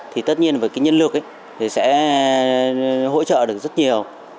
thì tất nhiên với cái nhân lực thì sẽ hỗ trợ được rất nhiều